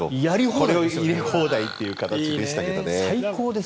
これを入れ放題という感じでしたけどね。